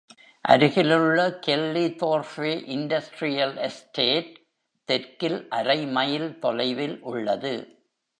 அருகிலுள்ள Kellythorpe industrial estate தெற்கில் அரை மைல் தொலைவில் உள்ளது.